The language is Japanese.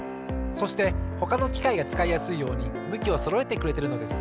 そしてほかのきかいがつかいやすいようにむきをそろえてくれてるのです。